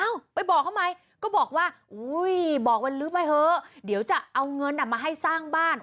ไปบอกเขาไหมก็บอกว่าอุ้ยบอกวันลื้อไปเถอะเดี๋ยวจะเอาเงินมาให้สร้างบ้าน